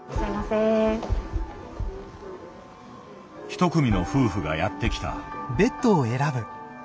一組の夫婦がやって来た。